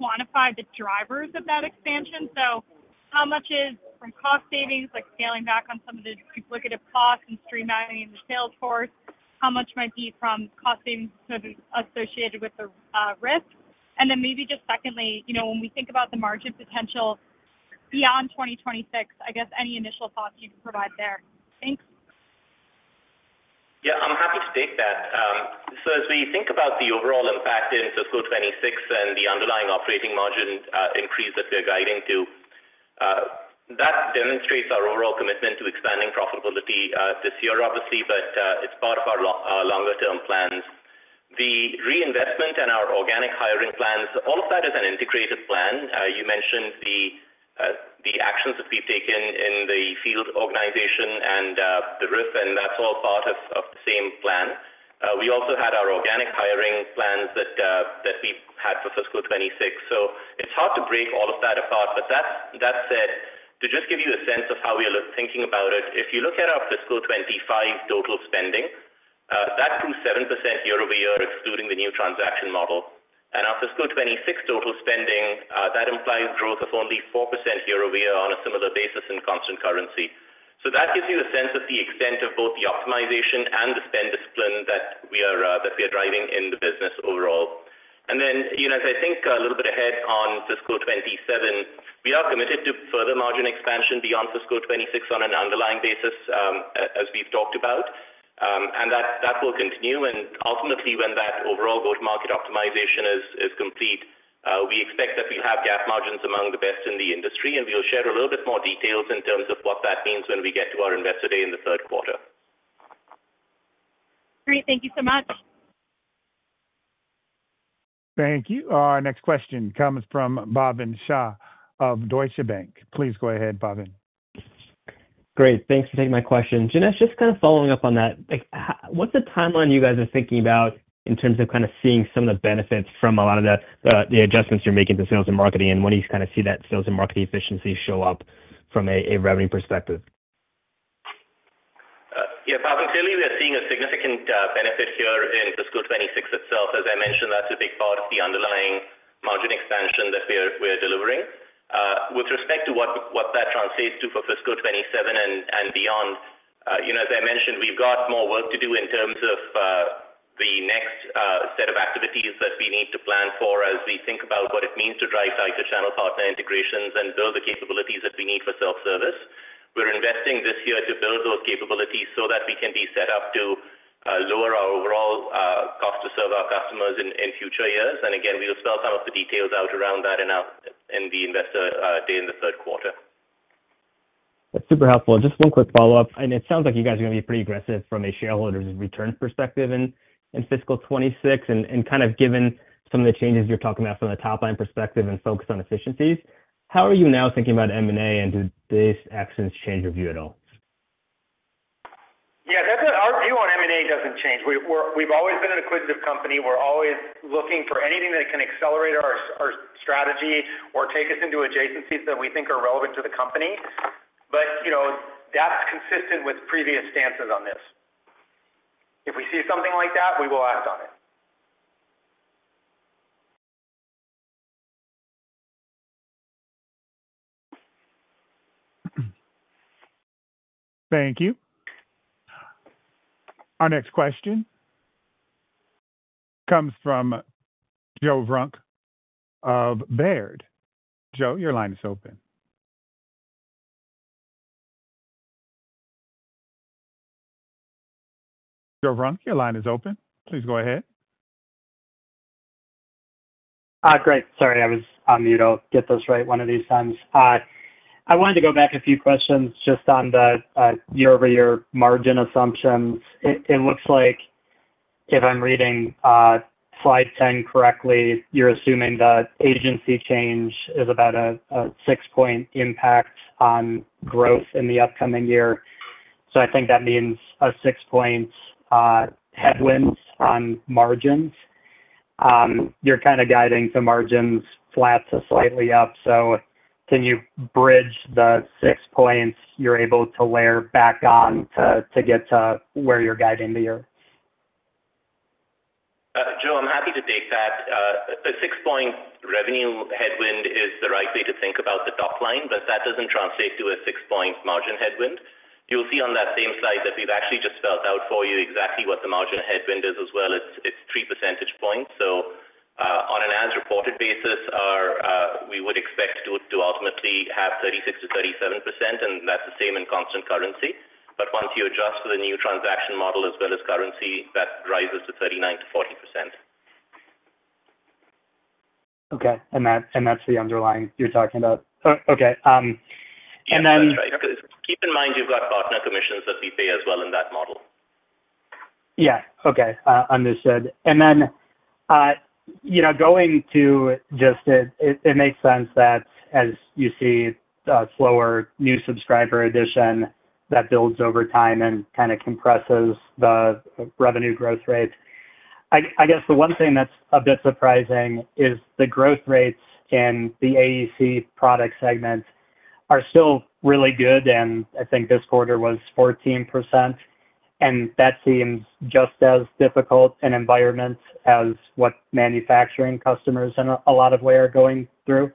quantify the drivers of that expansion? So how much is from cost savings, like scaling back on some of the duplicative costs and streamlining the sales force? How much might be from cost savings associated with the risk? And then maybe just secondly, when we think about the margin potential beyond 2026, I guess any initial thoughts you can provide there. Thanks. Yeah. I'm happy to take that. So as we think about the overall impact in fiscal 2026 and the underlying operating margin increase that we're guiding to, that demonstrates our overall commitment to expanding profitability this year, obviously, but it's part of our longer-term plans. The reinvestment and our organic hiring plans, all of that is an integrated plan. You mentioned the actions that we've taken in the field organization and the RIF, and that's all part of the same plan. We also had our organic hiring plans that we had for fiscal 2026. So it's hard to break all of that apart. But that said, to just give you a sense of how we're thinking about it, if you look at our fiscal 2025 total spending, that grew 7% year over year, excluding the new transaction model. Our fiscal 2026 total spending, that implies growth of only 4% year over year on a similar basis in constant currency. So that gives you a sense of the extent of both the optimization and the spend discipline that we are driving in the business overall. And then as I think a little bit ahead on fiscal 2027, we are committed to further margin expansion beyond fiscal 2026 on an underlying basis, as we've talked about. And that will continue. And ultimately, when that overall go-to-market optimization is complete, we expect that we'll have GAAP margins among the best in the industry. And we'll share a little bit more details in terms of what that means when we get to our investor day in the third quarter. Great. Thank you so much. Thank you. Our next question comes from Bhavin Shah of Deutsche Bank. Please go ahead, Bhavin. Great. Thanks for taking my question. Janesh, just kind of following up on that, what's the timeline you guys are thinking about in terms of kind of seeing some of the benefits from a lot of the adjustments you're making to sales and marketing? And when do you kind of see that sales and marketing efficiency show up from a revenue perspective? Yeah. Bhavin Shah, we are seeing a significant benefit here in fiscal 2026 itself. As I mentioned, that's a big part of the underlying margin expansion that we're delivering. With respect to what that translates to for fiscal 2027 and beyond, as I mentioned, we've got more work to do in terms of the next set of activities that we need to plan for as we think about what it means to drive tighter channel partner integrations and build the capabilities that we need for self-service. We're investing this year to build those capabilities so that we can be set up to lower our overall cost to serve our customers in future years. And again, we'll spell some of the details out around that in the investor day in the third quarter. That's super helpful. Just one quick follow-up. And it sounds like you guys are going to be pretty aggressive from a shareholder's return perspective in fiscal 2026 and kind of given some of the changes you're talking about from the top-line perspective and focus on efficiencies. How are you now thinking about M&A and did these actions change your view at all? Yeah. Our view on M&A doesn't change. We've always been an acquisitive company. We're always looking for anything that can accelerate our strategy or take us into adjacencies that we think are relevant to the company. But that's consistent with previous stances on this. If we see something like that, we will act on it. Thank you. Our next question comes from Joe Vruwink of Baird. Joe, your line is open. Joe Vruwink, your line is open. Please go ahead. Great. Sorry, I was on mute. I'll get this right one of these times. I wanted to go back a few questions just on the year-over-year margin assumptions. It looks like if I'm reading slide 10 correctly, you're assuming that agency change is about a six-point impact on growth in the upcoming year. So I think that means a six-point headwind on margins. You're kind of guiding the margins flat to slightly up. So can you bridge the six points you're able to layer back on to get to where you're guiding the year? Joe, I'm happy to take that. A six-point revenue headwind is the right way to think about the top line, but that doesn't translate to a six-point margin headwind. You'll see on that same slide that we've actually just spelled out for you exactly what the margin headwind is as well. It's three percentage points. So on an as-reported basis, we would expect to ultimately have 36%-37%, and that's the same in constant currency. But once you adjust for the new transaction model as well as currency, that rises to 39%-40%. Okay. And that's the underlying you're talking about. Okay. And then. Keep in mind you've got partner commissions that we pay as well in that model. Yeah. Okay. Understood. And then going to just it makes sense that as you see a slower new subscriber addition that builds over time and kind of compresses the revenue growth rate. I guess the one thing that's a bit surprising is the growth rates in the AEC product segment are still really good, and I think this quarter was 14%. And that seems just as difficult an environment as what manufacturing customers in a lot of ways are going through.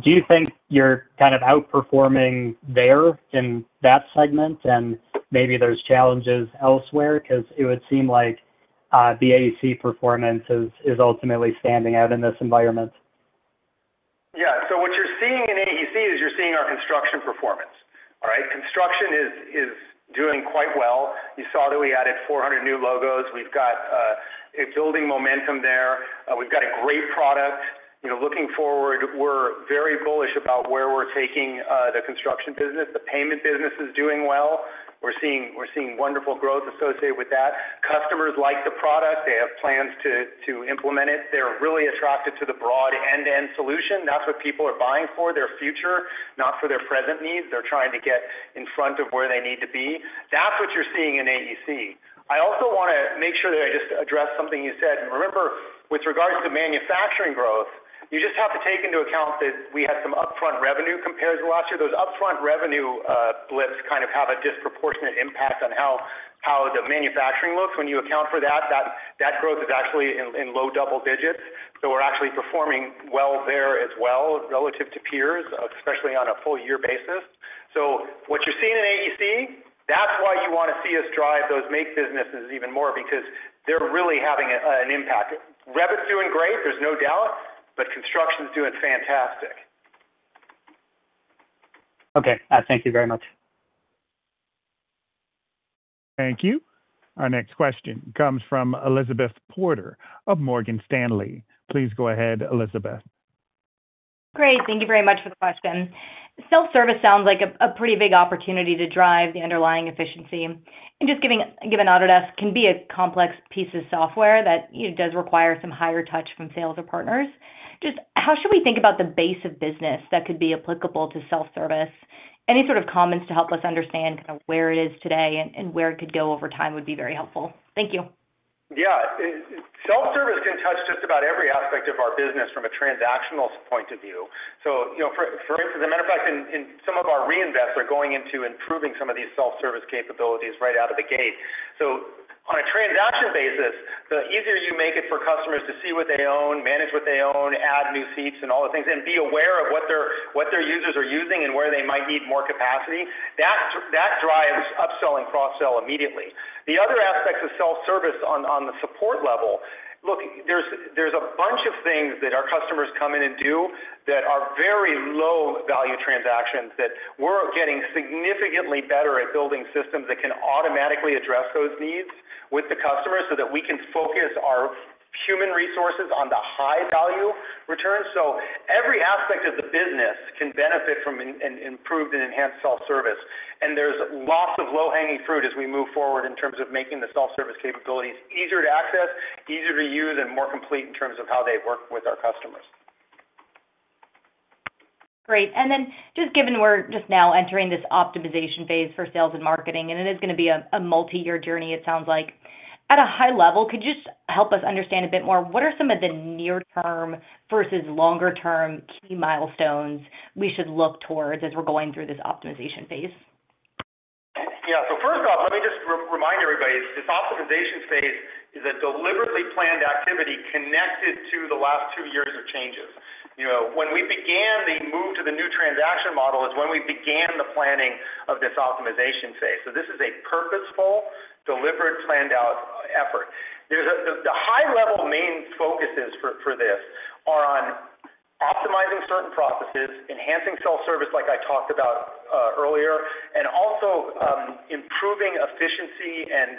Do you think you're kind of outperforming there in that segment? And maybe there's challenges elsewhere because it would seem like the AEC performance is ultimately standing out in this environment. Yeah. So what you're seeing in AEC is you're seeing our construction performance, all right? Construction is doing quite well. You saw that we added 400 new logos. We've got a building momentum there. We've got a great product. Looking forward, we're very bullish about where we're taking the construction business. The payment business is doing well. We're seeing wonderful growth associated with that. Customers like the product. They have plans to implement it. They're really attracted to the broad end-to-end solution. That's what people are buying for their future, not for their present needs. They're trying to get in front of where they need to be. That's what you're seeing in AEC. I also want to make sure that I just address something you said. Remember, with regards to manufacturing growth, you just have to take into account that we had some upfront revenue compared to last year. Those upfront revenue blips kind of have a disproportionate impact on how the manufacturing looks. When you account for that, that growth is actually in low double digits. So we're actually performing well there as well relative to peers, especially on a full-year basis. So what you're seeing in AEC, that's why you want to see us drive those Make businesses even more because they're really having an impact. Revit's doing great. There's no doubt. But construction's doing fantastic. Okay. Thank you very much. Thank you. Our next question comes from Elizabeth Porter of Morgan Stanley. Please go ahead, Elizabeth. Great. Thank you very much for the question. Self-service sounds like a pretty big opportunity to drive the underlying efficiency. And just given that Autodesk can be a complex piece of software that does require some higher touch from sales or partners. Just how should we think about the base of business that could be applicable to self-service? Any sort of comments to help us understand kind of where it is today and where it could go over time would be very helpful. Thank you. Yeah. Self-service can touch just about every aspect of our business from a transactional point of view. So for. As a matter of fact, in some of our reinvests, we're going into improving some of these self-service capabilities right out of the gate. So on a transaction basis, the easier you make it for customers to see what they own, manage what they own, add new seats and all the things, and be aware of what their users are using and where they might need more capacity, that drives upsell and cross-sell immediately. The other aspects of self-service on the support level, look, there's a bunch of things that our customers come in and do that are very low-value transactions that we're getting significantly better at building systems that can automatically address those needs with the customers so that we can focus our human resources on the high-value return. Every aspect of the business can benefit from improved and enhanced self-service. There is lots of low-hanging fruit as we move forward in terms of making the self-service capabilities easier to access, easier to use, and more complete in terms of how they work with our customers. Great. And then just given we're just now entering this optimization phase for sales and marketing, and it is going to be a multi-year journey, it sounds like. At a high level, could you just help us understand a bit more? What are some of the near-term versus longer-term key milestones we should look towards as we're going through this optimization phase? Yeah. So first off, let me just remind everybody, this optimization phase is a deliberately planned activity connected to the last two years of changes. When we began the move to the new transaction model is when we began the planning of this optimization phase. So this is a purposeful, deliberately planned-out effort. The high-level main focuses for this are on optimizing certain processes, enhancing self-service like I talked about earlier, and also improving efficiency and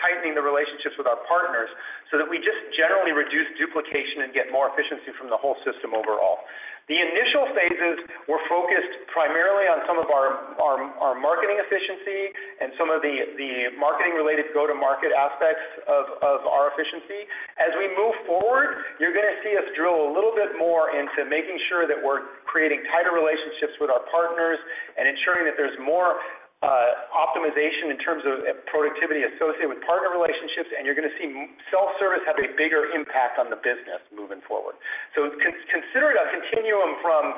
tightening the relationships with our partners so that we just generally reduce duplication and get more efficiency from the whole system overall. The initial phases were focused primarily on some of our marketing efficiency and some of the marketing-related go-to-market aspects of our efficiency. As we move forward, you're going to see us drill a little bit more into making sure that we're creating tighter relationships with our partners and ensuring that there's more optimization in terms of productivity associated with partner relationships. And you're going to see self-service have a bigger impact on the business moving forward. So consider it a continuum from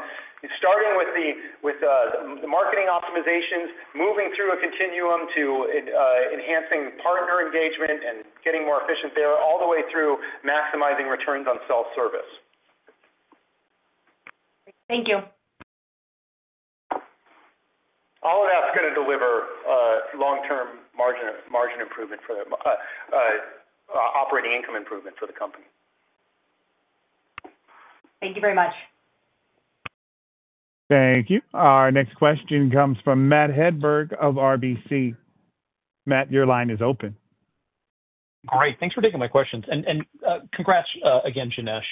starting with the marketing optimizations, moving through a continuum to enhancing partner engagement and getting more efficient there, all the way through maximizing returns on self-service. Thank you. All of that's going to deliver long-term margin improvement for operating income improvement for the company. Thank you very much. Thank you. Our next question comes from Matt Hedberg of RBC. Matt, your line is open. Great. Thanks for taking my questions. And congrats again, Janesh.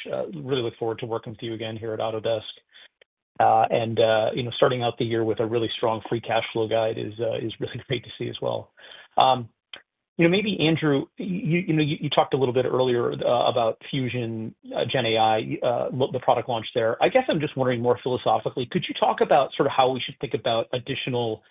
Really look forward to working with you again here at Autodesk. And starting out the year with a really strong free cash flow guide is really great to see as well. Maybe Andrew, you talked a little bit earlier about Fusion GenAI, the product launch there. I guess I'm just wondering more philosophically, could you talk about sort of how we should think about additional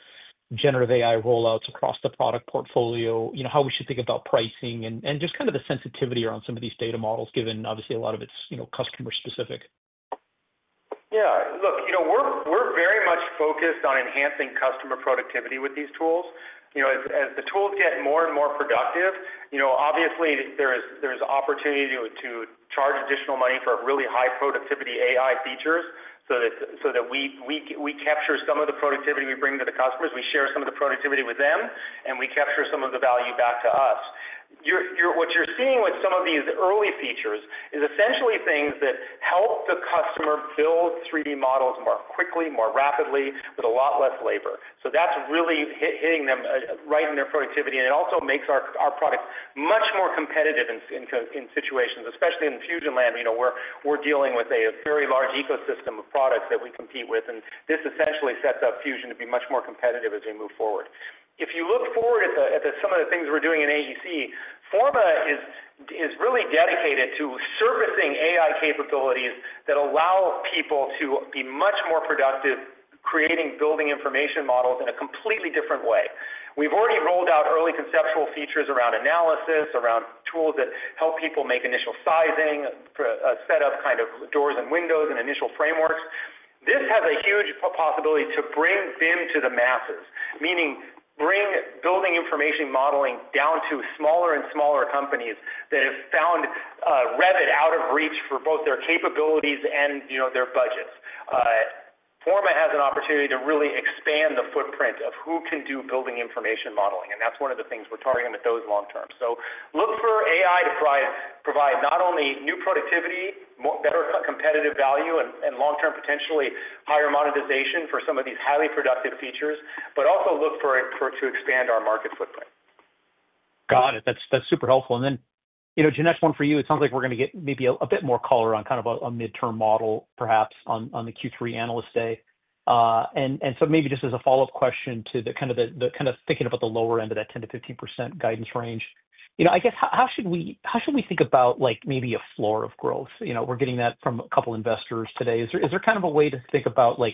generative AI rollouts across the product portfolio, how we should think about pricing, and just kind of the sensitivity around some of these data models given, obviously, a lot of it's customer-specific? Yeah. Look, we're very much focused on enhancing customer productivity with these tools. As the tools get more and more productive, obviously, there's opportunity to charge additional money for really high-productivity AI features so that we capture some of the productivity we bring to the customers, we share some of the productivity with them, and we capture some of the value back to us. What you're seeing with some of these early features is essentially things that help the customer build 3D models more quickly, more rapidly, with a lot less labor. So that's really hitting them right in their productivity. And it also makes our products much more competitive in situations, especially in the Fusion land where we're dealing with a very large ecosystem of products that we compete with. And this essentially sets up Fusion to be much more competitive as we move forward. If you look forward at some of the things we're doing in AEC, Forma is really dedicated to surfacing AI capabilities that allow people to be much more productive creating building information models in a completely different way. We've already rolled out early conceptual features around analysis, around tools that help people make initial sizing, set up kind of doors and windows and initial frameworks. This has a huge possibility to bring BIM to the masses, meaning bring building information modeling down to smaller and smaller companies that have found Revit out of reach for both their capabilities and their budgets. Forma has an opportunity to really expand the footprint of who can do building information modeling, and that's one of the things we're targeting with those long-term. So look for AI to provide not only new productivity, better competitive value, and long-term potentially higher monetization for some of these highly productive features, but also look for it to expand our market footprint. Got it. That's super helpful. And then, Janesh, one for you. It sounds like we're going to get maybe a bit more color on kind of a midterm model, perhaps on the Q3 analyst day. And so maybe just as a follow-up question to kind of thinking about the lower end of that 10%-15% guidance range. I guess how should we think about maybe a floor of growth? We're getting that from a couple of investors today. Is there kind of a way to think about is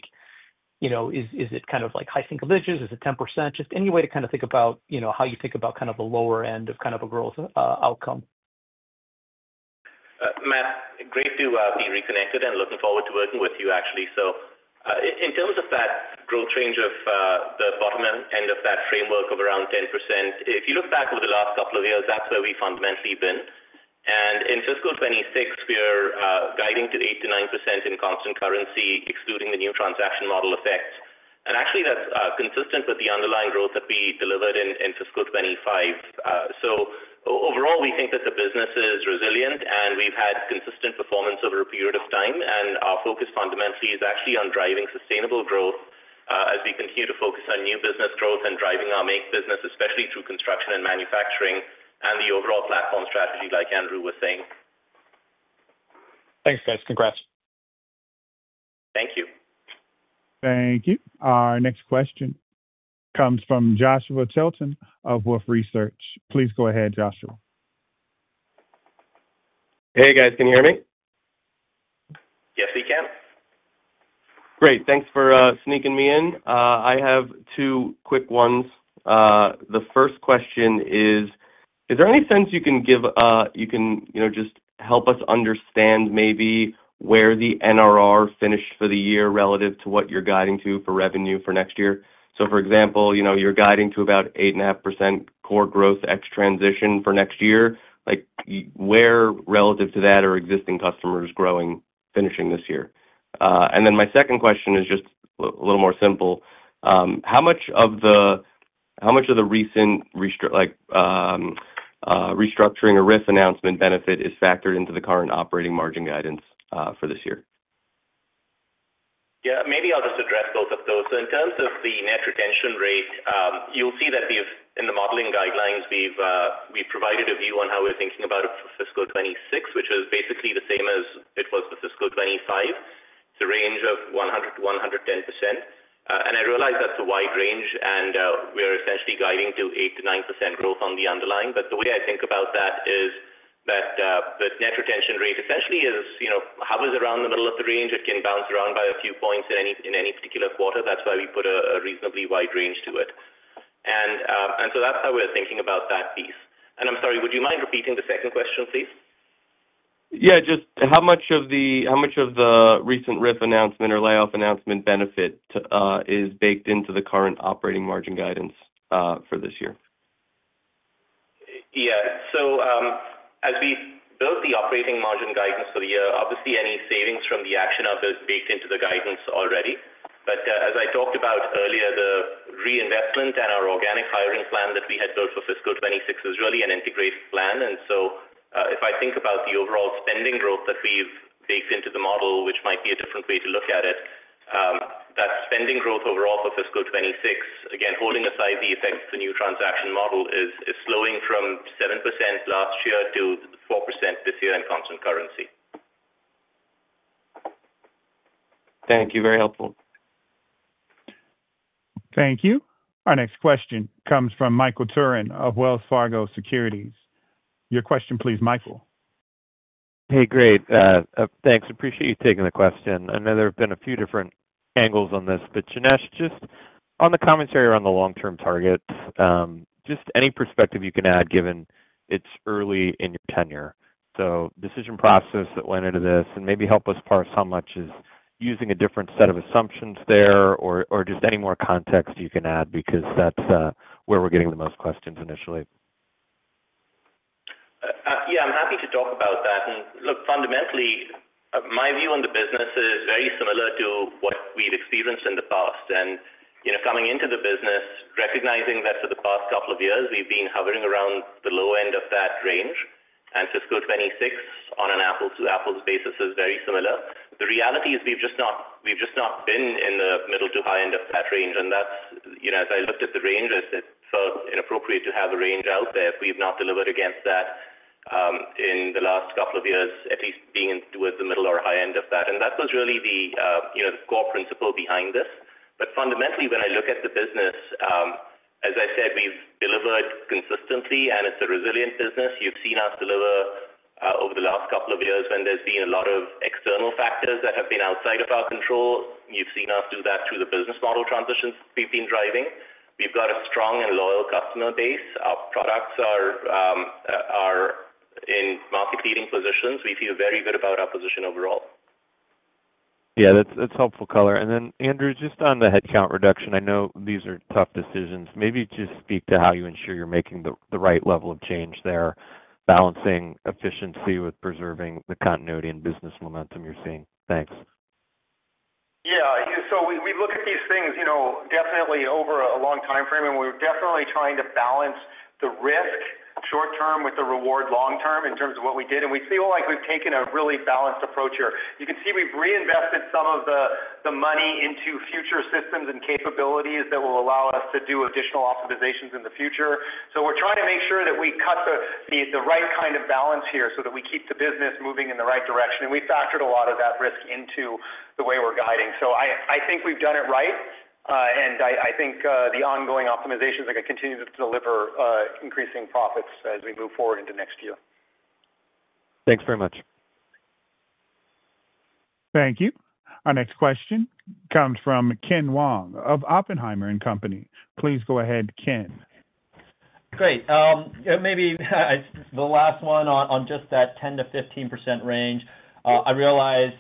it kind of high single digits? Is it 10%? Just any way to kind of think about how you think about kind of the lower end of kind of a growth outcome? Matt, great to be reconnected and looking forward to working with you, actually. So in terms of that growth range of the bottom end of that framework of around 10%, if you look back over the last couple of years, that's where we fundamentally been. And in fiscal 2026, we're guiding to 8%-9% in constant currency, excluding the new transaction model effect. And actually, that's consistent with the underlying growth that we delivered in fiscal 2025. So overall, we think that the business is resilient, and we've had consistent performance over a period of time. And our focus fundamentally is actually on driving sustainable growth as we continue to focus on new business growth and driving our make business, especially through construction and manufacturing and the overall platform strategy, like Andrew was saying. Thanks, guys. Congrats. Thank you. Thank you. Our next question comes from Joshua Tilton of Wolfe Research. Please go ahead, Joshua. Hey, guys. Can you hear me? Yes, we can. Great. Thanks for sneaking me in. I have two quick ones. The first question is, is there any sense you can give just help us understand maybe where the NRR finished for the year relative to what you're guiding to for revenue for next year? So for example, you're guiding to about 8.5% core growth ex-transition for next year. Where relative to that are existing customers growing, finishing this year? And then my second question is just a little more simple. How much of the recent restructuring or RIF announcement benefit is factored into the current operating margin guidance for this year? Yeah. Maybe I'll just address both of those. So in terms of the net retention rate, you'll see that in the modeling guidelines, we've provided a view on how we're thinking about it for fiscal 2026, which is basically the same as it was for fiscal 2025. It's a range of 100%-110%, and I realize that's a wide range, and we're essentially guiding to 8%-9% growth on the underlying, but the way I think about that is that the net retention rate essentially hovers around the middle of the range. It can bounce around by a few points in any particular quarter. That's why we put a reasonably wide range to it, and so that's how we're thinking about that piece, and I'm sorry, would you mind repeating the second question, please? Yeah. Just how much of the recent RIF announcement or layoff announcement benefit is baked into the current operating margin guidance for this year? Yeah. So as we built the operating margin guidance for the year, obviously, any savings from the action of is baked into the guidance already. But as I talked about earlier, the reinvestment and our organic hiring plan that we had built for fiscal 2026 is really an integrated plan. And so if I think about the overall spending growth that we've baked into the model, which might be a different way to look at it, that spending growth overall for fiscal 2026, again, holding aside the effects of the new transaction model, is slowing from 7% last year to 4% this year in constant currency. Thank you. Very helpful. Thank you. Our next question comes from Michael Turrin of Wells Fargo Securities. Your question, please, Michael. Hey, great. Thanks. Appreciate you taking the question. I know there have been a few different angles on this. But Janesh, just on the commentary around the long-term target, just any perspective you can add given it's early in your tenure. So decision process that went into this and maybe help us parse how much is using a different set of assumptions there or just any more context you can add because that's where we're getting the most questions initially. Yeah. I'm happy to talk about that. And look, fundamentally, my view on the business is very similar to what we've experienced in the past. And coming into the business, recognizing that for the past couple of years, we've been hovering around the low end of that range. And fiscal 2026, on an apples-to-apples basis, is very similar. The reality is we've just not been in the middle to high end of that range. And as I looked at the range, I said, "It's inappropriate to have a range out there if we've not delivered against that in the last couple of years, at least being towards the middle or high end of that." And that was really the core principle behind this. But fundamentally, when I look at the business, as I said, we've delivered consistently, and it's a resilient business. You've seen us deliver over the last couple of years when there's been a lot of external factors that have been outside of our control. You've seen us do that through the business model transitions we've been driving. We've got a strong and loyal customer base. Our products are in market-leading positions. We feel very good about our position overall. Yeah. That's helpful color. And then, Andrew, just on the headcount reduction, I know these are tough decisions. Maybe just speak to how you ensure you're making the right level of change there, balancing efficiency with preserving the continuity and business momentum you're seeing. Thanks. Yeah. So we look at these things definitely over a long time frame, and we're definitely trying to balance the risk short-term with the reward long-term in terms of what we did, and we feel like we've taken a really balanced approach here. You can see we've reinvested some of the money into future systems and capabilities that will allow us to do additional optimizations in the future, so we're trying to make sure that we cut the right kind of balance here so that we keep the business moving in the right direction, and we factored a lot of that risk into the way we're guiding, so I think we've done it right, and I think the ongoing optimizations are going to continue to deliver increasing profits as we move forward into next year. Thanks very much. Thank you. Our next question comes from Ken Wong of Oppenheimer and Company. Please go ahead, Ken. Great. Maybe the last one on just that 10%-15% range. I realize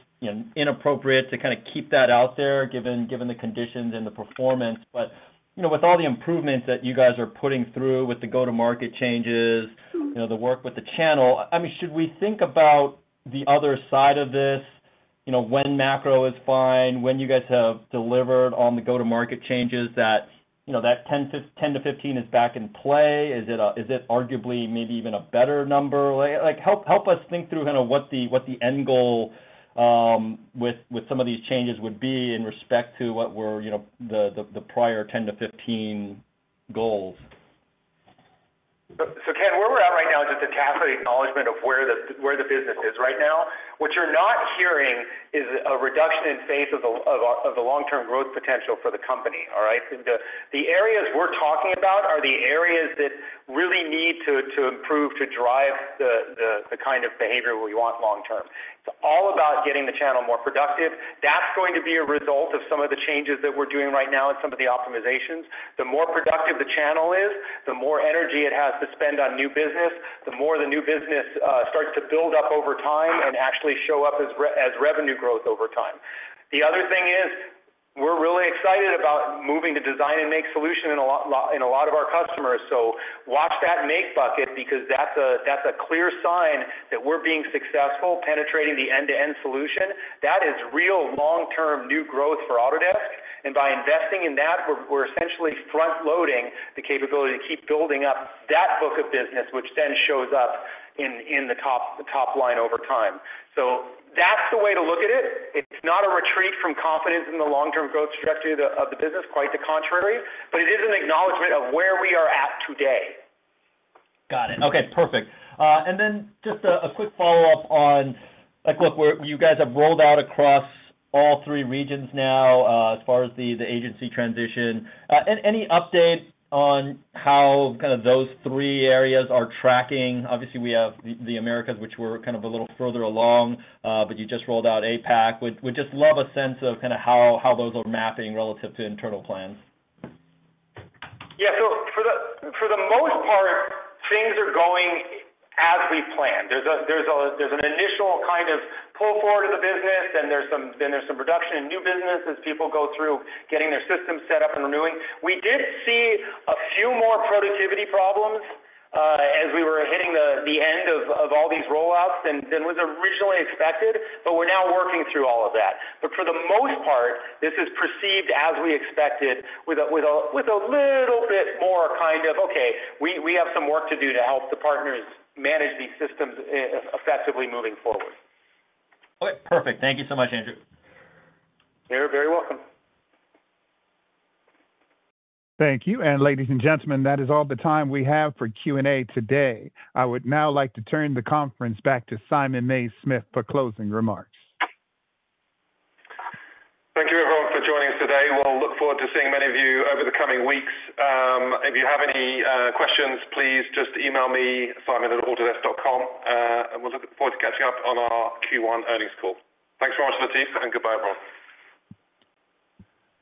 inappropriate to kind of keep that out there given the conditions and the performance. But with all the improvements that you guys are putting through with the go-to-market changes, the work with the channel, I mean, should we think about the other side of this when macro is fine, when you guys have delivered on the go-to-market changes, that 10%-15% is back in play? Is it arguably maybe even a better number? Help us think through kind of what the end goal with some of these changes would be in respect to what were the prior 10%-15% goals. So Ken, where we're at right now is just a tacit acknowledgment of where the business is right now. What you're not hearing is a reduction in phase of the long-term growth potential for the company, all right? The areas we're talking about are the areas that really need to improve to drive the kind of behavior we want long-term. It's all about getting the channel more productive. That's going to be a result of some of the changes that we're doing right now and some of the optimizations. The more productive the channel is, the more energy it has to spend on new business, the more the new business starts to build up over time and actually show up as revenue growth over time. The other thing is we're really excited about moving to Design and Make solution in a lot of our customers. So watch that maintenance bucket because that's a clear sign that we're being successful penetrating the end-to-end solution. That is real long-term new growth for Autodesk. And by investing in that, we're essentially front-loading the capability to keep building up that book of business, which then shows up in the top line over time. So that's the way to look at it. It's not a retreat from confidence in the long-term growth trajectory of the business, quite the contrary. But it is an acknowledgment of where we are at today. Got it. Okay. Perfect. And then just a quick follow-up on, look, you guys have rolled out across all three regions now as far as the agency transition. Any update on how kind of those three areas are tracking? Obviously, we have the Americas, which we're kind of a little further along, but you just rolled out APAC. We'd just love a sense of kind of how those are mapping relative to internal plans. Yeah. So for the most part, things are going as we planned. There's an initial kind of pull forward of the business, then there's some production and new business as people go through getting their systems set up and renewing. We did see a few more productivity problems as we were hitting the end of all these rollouts than was originally expected, but we're now working through all of that. But for the most part, this is perceived as we expected with a little bit more kind of, "Okay. We have some work to do to help the partners manage these systems effectively moving forward. Perfect. Thank you so much, Andrew. You're very welcome. Thank you. And ladies and gentlemen, that is all the time we have for Q&A today. I would now like to turn the conference back to Simon Mays-Smith for closing remarks. Thank you, everyone, for joining us today. We'll look forward to seeing many of you over the coming weeks. If you have any questions, please just email me, simon@autodesk.com, and we'll look forward to catching up on our Q1 earnings call. Thanks very much to the team, and goodbye,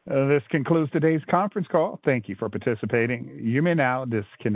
everyone. This concludes today's conference call. Thank you for participating. You may now disconnect.